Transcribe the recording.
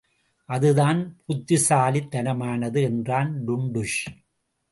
அதுதான் புத்திசாலித்தனமானது என்றான் டுன்டுஷ்.